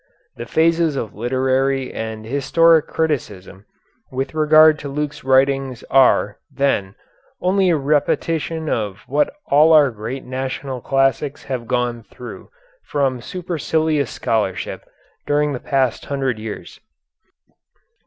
The phases of literary and historic criticism with regard to Luke's writings are, then, only a repetition of what all our great national classics have gone through from supercilious scholarship during the past hundred years.